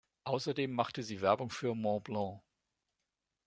Außerdem machte sie Werbung für Montblanc.